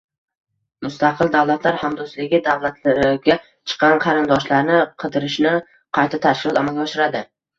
Mustaqil davlatlar hamdo'stligi davlatlariga chiqqan qarindoshlarni qidirishni qaysi tashkilot amalga oshiradi?